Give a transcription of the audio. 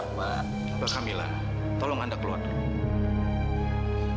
mbak kamila tolong anda keluar dulu